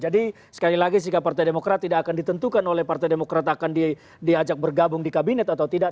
jadi sekali lagi sikap partai demokrat tidak akan ditentukan oleh partai demokrat akan diajak bergabung di kabinet atau tidak